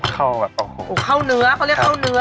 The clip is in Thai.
เข้าเนื้อเขาเรียกเข้าเนื้อค่ะ